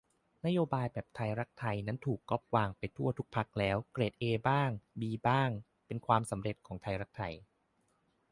นโยบายแบบไทยรักไทยนั้นถูกก๊อปไปโดยทุกพรรคแล้ว เกรดเอบ้าง บีบ้าง เป็นความสำเร็จของไทยรักไทย